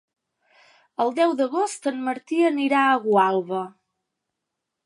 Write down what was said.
El deu d'agost en Martí anirà a Gualba.